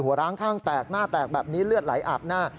ร้างข้างแตกหน้าแตกแบบนี้เลือดไหลอาบหน้า